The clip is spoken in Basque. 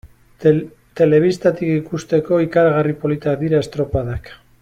Telebistatik ikusteko, ikaragarri politak dira estropadak.